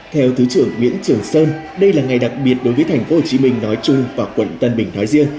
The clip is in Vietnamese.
theo thứ trưởng nguyễn trở sơn đây là ngày đặc biệt đối với thành phố hồ chí minh nói chung và quận tân bình nói riêng